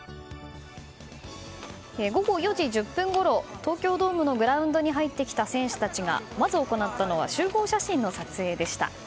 午後４時１０分ごろ東京ドームのグラウンドに入ってきた選手たちがまず行ったのは集合写真の撮影でした。